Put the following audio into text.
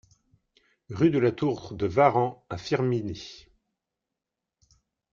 Rue de la Tour de Varan à Firminy